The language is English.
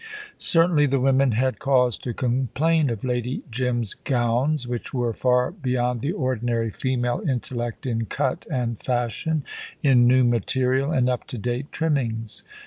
Certainly the women had cause to complain of Lady Jim's gowns, which were far beyond the ordinary female intellect in cut and fashion, in new material and up to date trimmings.